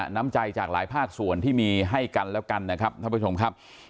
น้ำใจจากหลายภาคส่วนที่มีให้กันแล้วกันนะครับท่านผู้ชมครับ